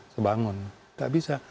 sebangun tidak bisa